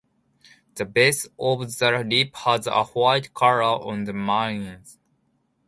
The base of the lip has a white color on the margins.